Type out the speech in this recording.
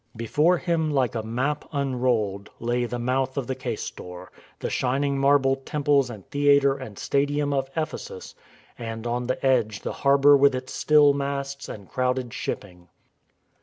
Before him like a map unrolled lay the mouth of the Caistor, the shining marble temples and theatre and stadium of Ephesus, and on the edge the harbour with its still masts and crowded shipping.